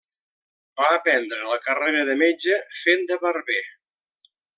Va aprendre la carrera de metge fent de barber.